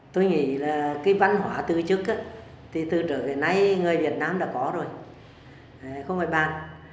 tôi nghĩ là cái văn hóa tự chức thì từ trở về nay người việt nam đã có rồi không phải bàn